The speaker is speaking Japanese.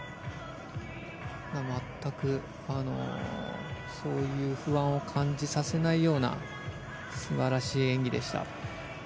全く、そういう不安を感じさせないような素晴らしい演技でした。